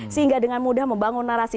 sehingga dengan mudah membangun narasi